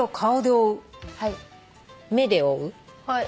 はい。